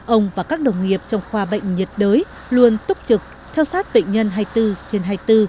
ông và các đồng nghiệp trong khoa bệnh nhiệt đới luôn túc trực theo sát bệnh nhân hai mươi bốn